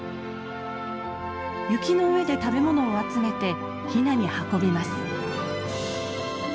雪の上で食べ物を集めてひなに運びます。